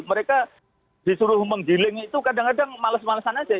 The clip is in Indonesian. mereka disuruh menggiling itu kadang kadang males malesan saja